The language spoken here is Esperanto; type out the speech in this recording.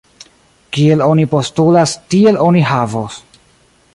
Kiel oni postulas, tiel oni havos!